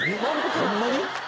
ホンマに？